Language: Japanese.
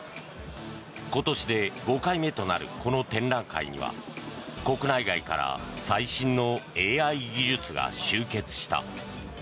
今年で５回目となるこの展覧会には国内外から最新のＡＩ技術が集結した。